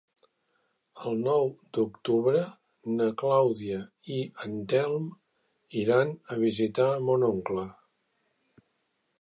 El nou d'octubre na Clàudia i en Telm iran a visitar mon oncle.